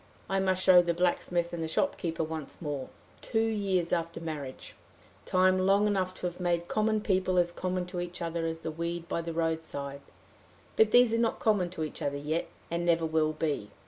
I must show the blacksmith and the shopkeeper once more two years after marriage time long enough to have made common people as common to each other as the weed by the roadside; but these are not common to each other yet, and never will be.